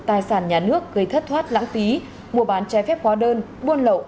tài sản nhà nước gây thất thoát lãng phí mua bán trái phép hóa đơn buôn lậu